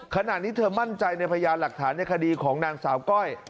ขณะนี้เธอมั่นใจในพยานหลักฐานในคดีของนางสาวก้อย